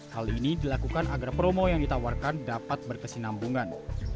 hal ini dilakukan agar promo yang ditawarkan dapat berkesinambungan